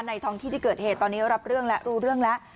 ท้องที่ที่เกิดเหตุตอนนี้รับเรื่องแล้วรู้เรื่องแล้ว